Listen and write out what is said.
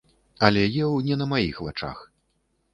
Але еў не на маіх вачах.